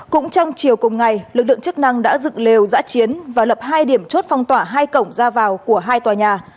cũng trong chiều cùng ngày lực lượng chức năng đã dựng lều giã chiến và lập hai điểm chốt phong tỏa hai cổng ra vào của hai tòa nhà